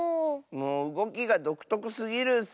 うごきがどくとくすぎるッス。